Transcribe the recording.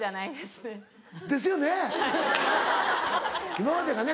今までがね